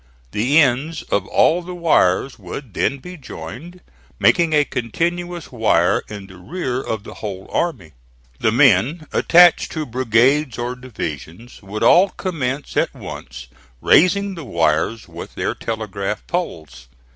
The ends of all the wires would then be joined, making a continuous wire in the rear of the whole army. The men, attached to brigades or divisions, would all commence at once raising the wires with their telegraph poles.